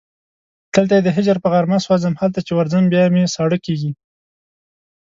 دلته یې د هجر په غارمه سوځم هلته چې ورځم بیا مې ساړه کېږي